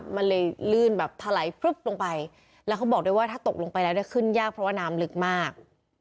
มันเลยลื่นแบบถลายพลึบลงไปแล้วเขาบอกด้วยว่าถ้าตกลงไปแล้วเนี่ยขึ้นยากเพราะว่าน้ำลึกมาก